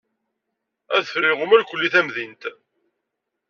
Adfel iɣumm irkelli tamdint.